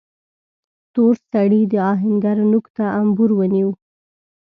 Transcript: تور سړي د آهنګر نوک ته امبور ونيو.